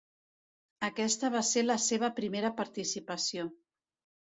Aquesta va ser la seva primera participació.